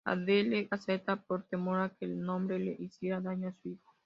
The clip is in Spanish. Adele acepta, por temor a que el hombre le hiciera daño a su hijo.